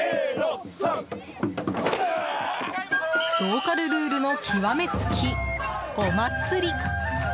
ローカルルールの極め付きお祭り。